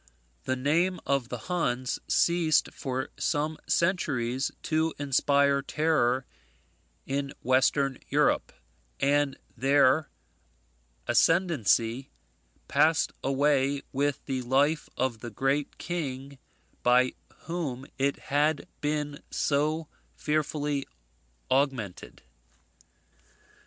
The name of the Huns ceased for some centuries to inspire terror in Western Europe, and their ascendency passed away with the life of the great king by whom it had been so fearfully augmented.